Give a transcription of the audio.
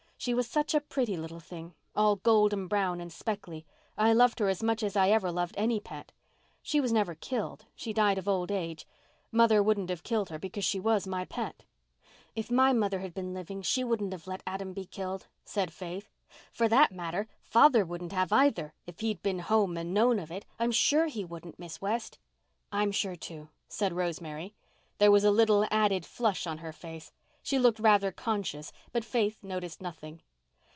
She was such a pretty little thing—all golden brown and speckly. I loved her as much as I ever loved any pet. She was never killed—she died of old age. Mother wouldn't have her killed because she was my pet." "If my mother had been living she wouldn't have let Adam be killed," said Faith. "For that matter, father wouldn't have either, if he'd been home and known of it. I'm sure he wouldn't, Miss West." "I'm sure, too," said Rosemary. There was a little added flush on her face. She looked rather conscious but Faith noticed nothing.